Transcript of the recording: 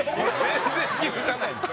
「全然気付かないんですよ」